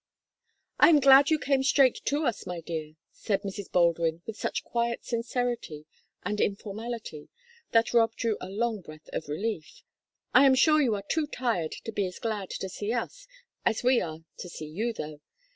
"I am glad you came straight to us, my dear," said Mrs. Baldwin, with such quiet sincerity and informality that Rob drew a long breath of relief. "I am sure you are too tired to be as glad to see us as we are to see you, though.